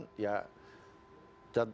dan tolnya sudah menurun